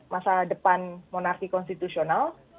masa depan monarki konstitusional